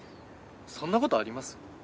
そんなことあります？